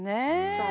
そう。